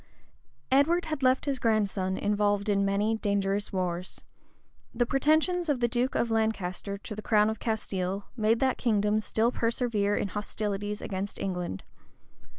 Edward had left his grandson involved in many dangerous wars. The pretensions of the duke of Lancaster to the crown of Castile, made that kingdom still persevere in hostilities against England.